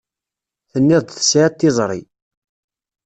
Tenniḍ-d tesɛiḍ tiẓri.